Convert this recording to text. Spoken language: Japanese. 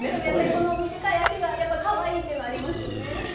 この短い足が、やっぱりかわいいという感じがありますよね。